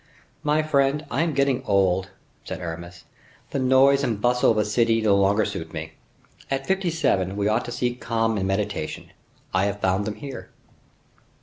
"My friend, I am getting old," said Aramis; "the noise and bustle of a city no longer suit me. At fifty seven we ought to seek calm and meditation. I have found them here.